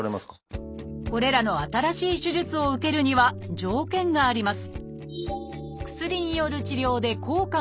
これらの新しい手術を受けるには条件があります